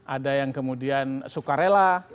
ada yang kemudian suka rela